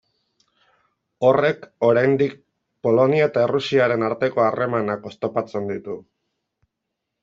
Horrek oraindik Polonia eta Errusiaren arteko harremanak oztopatzen ditu.